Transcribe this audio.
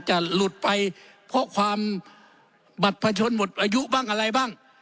เพราะความบัตรประชนหมดอายุบ้างอะไรบ้าง